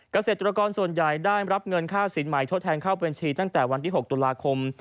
เกษตรกรส่วนใหญ่ได้รับเงินค่าสินใหม่ทดแทนเข้าบัญชีตั้งแต่วันที่๖ตุลาคม